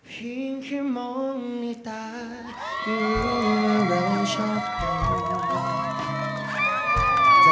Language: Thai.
เพียงแค่มองในตายังรู้ว่าเราชอบกัน